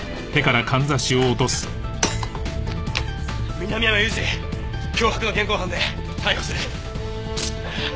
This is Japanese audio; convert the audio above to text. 南山勇司脅迫の現行犯で逮捕する。